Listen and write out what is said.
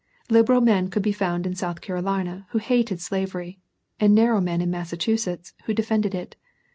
Liberal men could be found in South Carolina who hated slavery, and narrow men in Massachusetts who defended it.